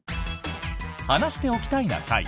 「話しておきたいな会」。